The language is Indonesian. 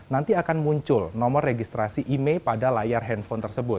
nanti akan muncul nomor registrasi imei pada layar handphone tersebut